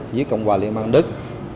dưới cộng hòa liên bang đức